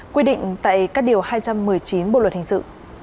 quy định tại các điều hai trăm một mươi chín bộ luật hình sự